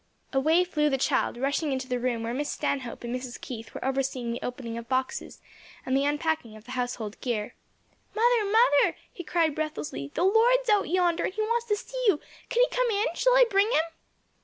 Away flew the child, rushing into the room where Miss Stanhope and Mrs. Keith were overseeing the opening of boxes and the unpacking of the household gear. "Mother, mother," he cried breathlessly, "the Lord's out yonder and he wants to see you! Can he come in? shall I bring him?"